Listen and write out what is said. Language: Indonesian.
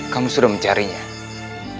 baiklah pak med